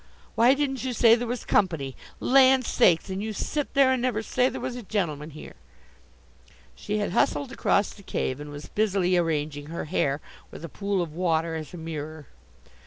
"Why didn't you say there was company? Land sakes! And you sit there and never say there was a gentleman here!" She had hustled across the cave and was busily arranging her hair with a pool of water as a mirror.